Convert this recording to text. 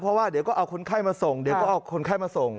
เพราะว่าเดี๋ยวก็เอาคนไข้มาส่งเดี๋ยวก็เอาคนไข้มาส่ง